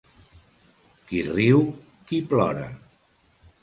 Qui riu, qui plora.